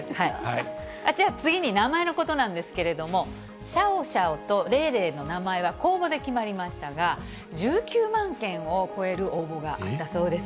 じゃあ次に名前のことなんですけれども、シャオシャオとレイレイの名前は公募で決まりましたが、１９万件を超える応募があったそうです。